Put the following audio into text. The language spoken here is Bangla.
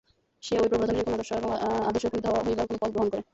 সে ঐ প্রবণতা অনুযায়ী কোন আদর্শ এবং আদর্শে উপনীত হইবার কোন পথ গ্রহণ করে।